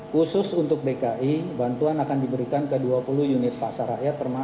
khusus untuk dki bantuan akan diberikan ke dua puluh unit pasar rakyat